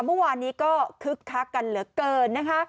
เมื่อวานนี้ก็คึกคักกันเหลือเกินนะคะ